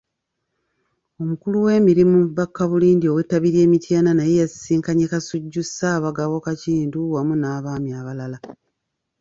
Omukulu w'emirimu Bakabulindi ow'ettabi ly'e Mityana naye yasisinkanye Kasujju, Ssaabagabo Kakindu wamu n'Abaami abalala.